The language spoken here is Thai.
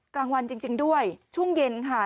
กลางวันจริงด้วยช่วงเย็นค่ะ